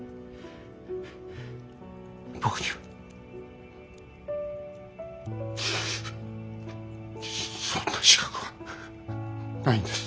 僕にはそんな資格はないんです。